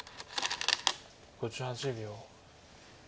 ５８秒。